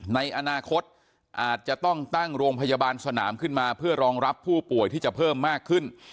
ในอนาคตอาจจะต้องตั้งโรงพยาบาลสนามขึ้นมาเพื่อรองรับผู้ป่วยที่จะเพิ่มมากขึ้น